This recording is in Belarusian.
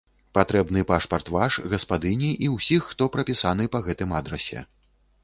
Патрэбны пашпарт ваш, гаспадыні і ўсіх, хто прапісаны па гэтым адрасе.